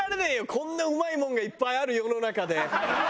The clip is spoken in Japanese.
こんなうまいもんがいっぱいある世の中で。